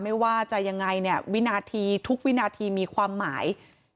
ไม่ว่าจะยังไงทุกวินาทีมีความหมาย